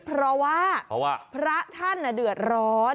เพราะว่าพระท่านเดือดร้อน